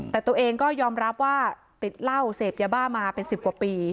แต่ตัวเองก็ยอมรับว่าติดเหล้าเสพยาบ้ามาเป็น๑๐กว่าปี